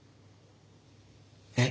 えっ？